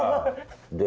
で？